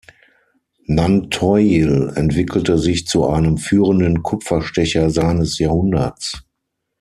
Nanteuil entwickelte sich zu einem führenden Kupferstecher seines Jahrhunderts.